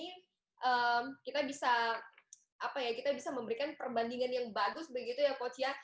kita bisa apa ya kita bisa memberikan perbandingan yang bagus begitu ya coach ya